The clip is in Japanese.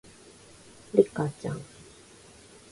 リカちゃん